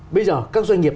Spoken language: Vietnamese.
bây giờ các doanh nghiệp